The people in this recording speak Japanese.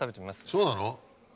そうなの？